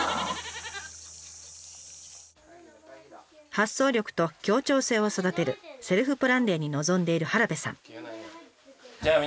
発想力と協調性を育てるセルフプランデーに臨んでいる原部さん。